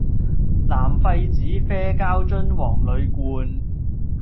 藍廢紙啡膠樽黃鋁罐